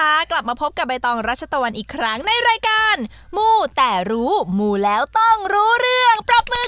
กลับมาพบกับใบตองรัชตะวันอีกครั้งในรายการมูแต่รู้มูแล้วต้องรู้เรื่องปรบมือ